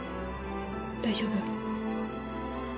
大丈夫？